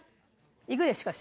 行くでしかし。